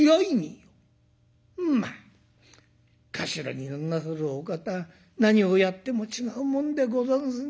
「まあ頭になんなさるお方何をやっても違うもんでござんすね。